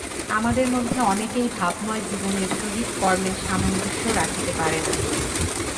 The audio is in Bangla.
আমাদের মধ্যে অনেকেই ভাবময় জীবনের সহিত কর্মের সামঞ্জস্য রাখিতে পারে না।